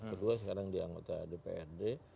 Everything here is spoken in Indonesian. kedua sekarang di anggota dprd